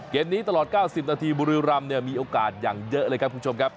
เกมนี้ตลอด๙๐นาทีบุรีรำเนี่ยมีโอกาสอย่างเยอะเลยครับคุณผู้ชมครับ